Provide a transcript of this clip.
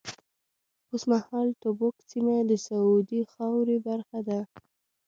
اوس مهال تبوک سیمه د سعودي خاورې برخه ده.